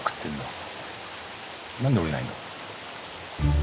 何で下りないの？